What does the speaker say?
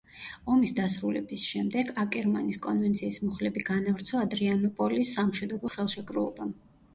ომის დასრულების შემდეგ აკერმანის კონვენციის მუხლები განავრცო ადრიანოპოლის სამშვიდობო ხელშეკრულებამ.